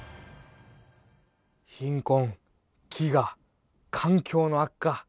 貧困飢餓環境の悪化。